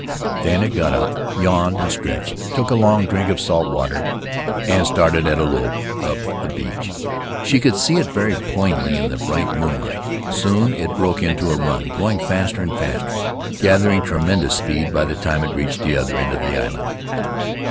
Then it got up, yawned and stretched, took a long drink of salt water, and started at a lope up the beach. She could see it very plainly in the bright moonlight. Soon it broke into a run, going faster and faster, gathering tremendous speed by the time it reached the other end of the island.